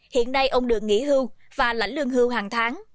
hiện nay ông được nghỉ hưu và lãnh lương hưu hàng tháng